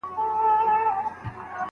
هلک د کفائت يا سيالۍ موضوع ته پام نه کاوه.